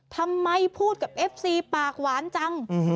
พูดกับเอฟซีปากหวานจัง